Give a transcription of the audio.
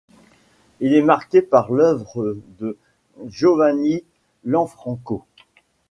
Il est marqué par l'œuvre de Giovanni Lanfranco.